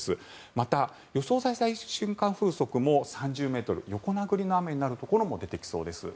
また予想最大瞬間風速も３０ｍ横殴りの雨になるところも出てきそうです。